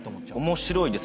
面白いです。